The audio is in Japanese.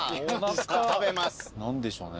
何でしょうね。